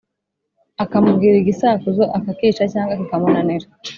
Akamubwira igisakuzo, akakica cyangwa kikamunanira.